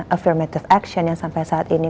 affirmative action yang sampai saat ini